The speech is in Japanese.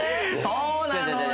そうなのよ！